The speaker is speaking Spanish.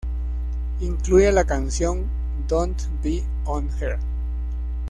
Incluye la canción "Don't Be On Her".